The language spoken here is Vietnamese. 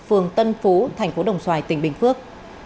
phường tân phú thành phố đồng xoài tỉnh bình phước